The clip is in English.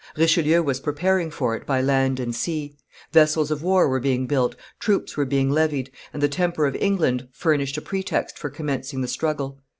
Richelieu was preparing for it by land and sea; vessels of war were being built, troops were being levied; and the temper of England furnished a pretext for commencing the struggle.